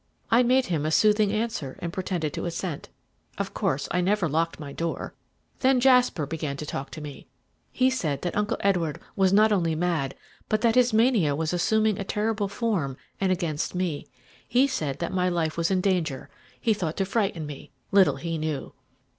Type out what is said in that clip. "I made him a soothing answer, and pretended to assent. Of course I never locked my door. Then Jasper began to talk to me. He said that Uncle Edward was not only mad, but that his mania was assuming a terrible form, and against me. He said that my life was in danger he thought to frighten me little he knew!"